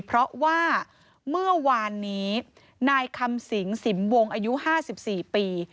เพราะว่าเมื่อวานนี้นายคำสิงสิมวงอายุ๕๔ปี